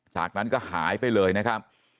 จากนั้นก็หายไปเลยนะครับ